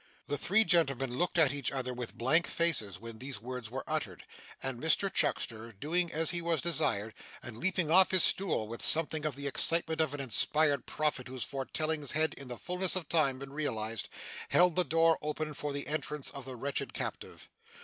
The three gentlemen looked at each other with blank faces when these words were uttered, and Mr Chuckster, doing as he was desired, and leaping off his stool with something of the excitement of an inspired prophet whose foretellings had in the fulness of time been realised, held the door open for the entrance of the wretched captive.